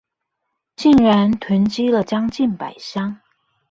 竟然囤積了將近百箱